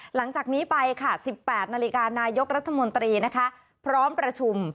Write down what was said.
หลังจากนี้ไปค่ะ๑๘นาฬิกานายกรัฐมนตรีนะคะพร้อมประชุม